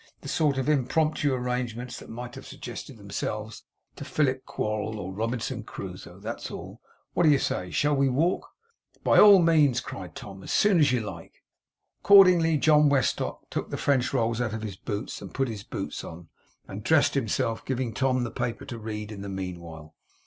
the sort of impromptu arrangements that might have suggested themselves to Philip Quarll or Robinson Crusoe, that's all. What do you say? Shall we walk?' 'By all means,' cried Tom. 'As soon as you like.' Accordingly John Westlock took the French rolls out of his boots, and put his boots on, and dressed himself; giving Tom the paper to read in the meanwhile.